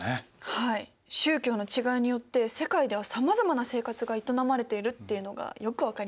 はい宗教の違いによって世界ではさまざまな生活が営まれているっていうのがよく分かりました。